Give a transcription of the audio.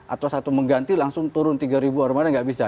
atau saat itu mengganti langsung turun tiga remaja nggak bisa